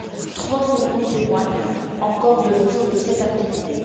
Trois fourneaux témoignent encore de nos jours de cette activité.